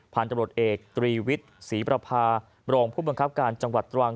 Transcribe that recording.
ผ่านตรวจเอกตรีวิทย์ศรีปรภาโรงผู้บังคับการจังหวัดตรวง